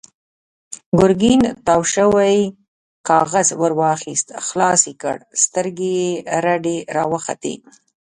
ګرګين تاو شوی کاغذ ور واخيست، خلاص يې کړ، سترګې يې رډې راوختې.